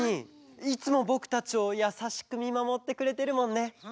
いつもぼくたちをやさしくみまもってくれてるもんね。